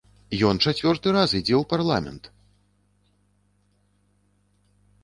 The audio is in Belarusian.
І ён чацвёрты раз ідзе ў парламент!